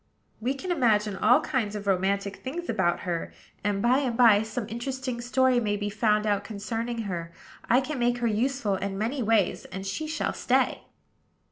"We can imagine all kinds of romantic things about her; and, by and by, some interesting story may be found out concerning her. I can make her useful in many ways; and she shall stay."